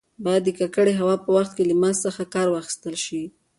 باید د ککړې هوا په وخت کې له ماسک څخه کار واخیستل شي.